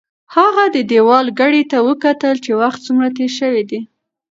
هغې د دېوال ګړۍ ته وکتل چې وخت څومره تېر شوی دی.